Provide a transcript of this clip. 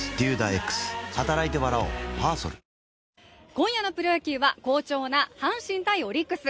今夜のプロ野球は好調な阪神×オリックス。